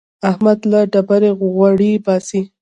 احمد له ډبرې غوړي باسي.